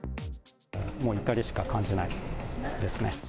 もう怒りしか感じないですね。